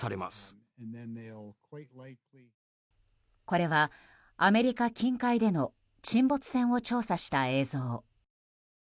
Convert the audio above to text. これはアメリカ近海での沈没船を調査した映像。